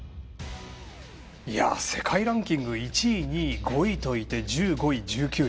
世界ランキング１位、２位、５位といて１５位、１９位。